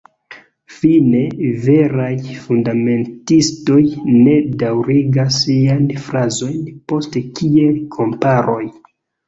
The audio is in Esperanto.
Fine, veraj fundamentistoj ne daŭrigas siajn frazojn post kiel-komparoj.